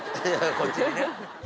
こっちにね。